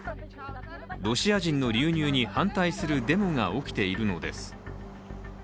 ロシア人の流入に反対するデモが起きているのです。